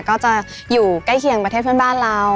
ก็จะอยู่ใกล้เคียงประเทศเพื่อนบ้านเรา